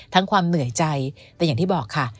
ความเหนื่อยใจแต่อย่างที่บอกค่ะ